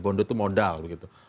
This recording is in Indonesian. bondo itu modal begitu